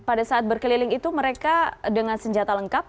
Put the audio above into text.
pada saat berkeliling itu mereka dengan senjata lengkap